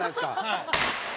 はい。